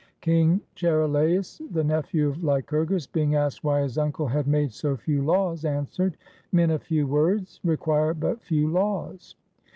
King Charilaus, the nephew of Lycurgus, being asked why his uncle had made so few laws, answered, "Men of few words require but few laws."